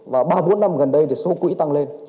và ba bốn năm gần đây thì số quỹ tăng lên